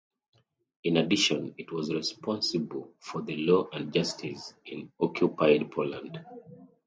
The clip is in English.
In addition, it was responsible for the law and justice in occupied Poland.